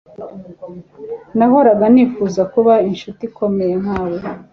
nahoraga nifuza kuba inshuti ikomeye nkawe